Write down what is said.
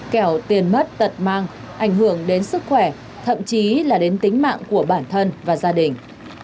kẻo tiền mất tật mang ảnh hưởng đến sức khỏe thậm chí là đến tính mạng của bản thân và gia đình